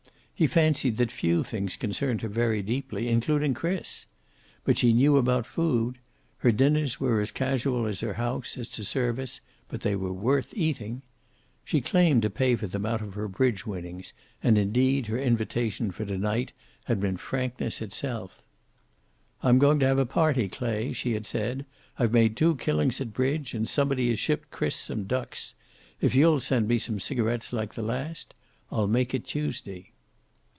He fancied that few things concerned her very deeply, including Chris. But she knew about food. Her dinners were as casual as her house, as to service, but they were worth eating. She claimed to pay for them out of her bridge winnings, and, indeed, her invitation for to night had been frankness itself. "I'm going to have a party, Clay," she had said. "I've made two killings at bridge, and somebody has shipped Chris some ducks. If you'll send me some cigarets like the last, I'll make it Tuesday."